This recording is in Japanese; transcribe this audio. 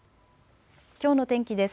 きょうの天気です。